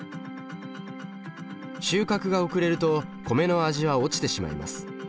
収穫が遅れると米の味は落ちてしまいます。